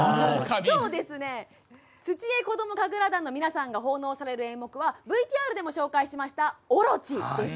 今日は土江子ども神楽団の皆さんが奉納される演目はＶＴＲでもご紹介しました「大蛇」です。